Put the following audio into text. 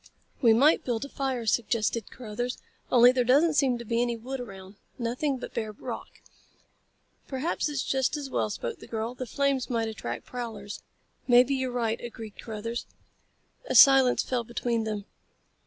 "We might build a fire," suggested Carruthers, "only there doesn't seem to be any wood around. Nothing but bare rock." "Perhaps it's just as well," spoke the girl. "The flames might attract prowlers." "Maybe you're right," agreed Carruthers. A silence fell between them.